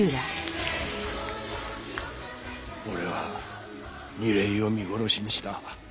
俺は楡井を見殺しにした。